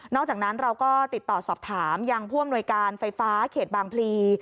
จากนั้นเราก็ติดต่อสอบถามยังผู้อำนวยการไฟฟ้าเขตบางพลี